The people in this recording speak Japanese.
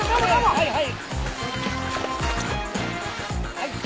はいはい！